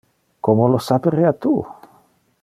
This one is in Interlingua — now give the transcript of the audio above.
Como lo saperea tu?